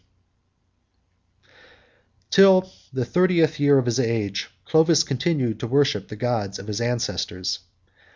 ] Till the thirtieth year of his age, Clovis continued to worship the gods of his ancestors.